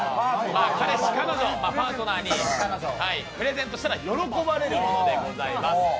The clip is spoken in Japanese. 彼氏彼女、パートナーにプレゼントしたら喜ばれるものでございます。